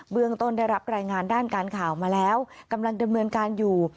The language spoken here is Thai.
เรื่องต้นได้รับรายงานด้านการข่าวมาแล้วกำลังดำเนินการอยู่